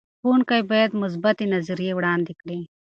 ښوونکي باید مثبتې نظریې وړاندې کړي.